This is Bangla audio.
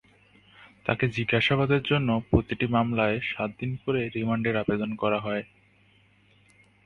তাঁকে জিজ্ঞাসাবাদের জন্য প্রতিটি মামলায় সাত দিন করে রিমান্ডের আবেদন করা হয়।